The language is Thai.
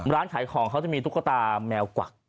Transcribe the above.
ร้านขายของเขาจะมีตุ๊กตาแมวกวัก